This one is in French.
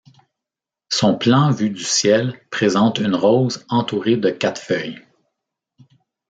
Son plan vu du ciel présente une rose entourée de quatre feuilles.